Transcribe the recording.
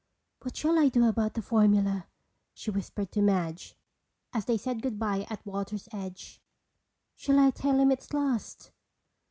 "What shall I do about the formula?" she whispered to Madge as they said goodbye at the water's edge. "Shall I tell him it's lost?"